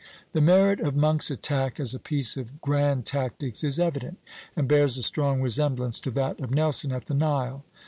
The merit of Monk's attack as a piece of grand tactics is evident, and bears a strong resemblance to that of Nelson at the Nile.